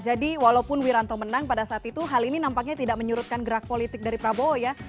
jadi walaupun wiranto menang pada saat itu hal ini nampaknya tidak menyurutkan gerak politik dari prabowo